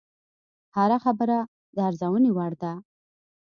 هره خبره د ارزونې وړ ده